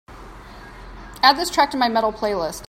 Add this track to my Metal playlist